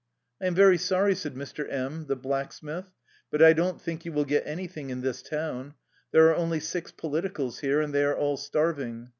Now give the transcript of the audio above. " I am very sorry/' said Mr. M , the black smith, " but I doii4 think you will get anything in this town. There are only six politicals here, and they are all starving.